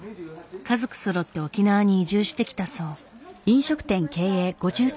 家族そろって沖縄に移住してきたそう。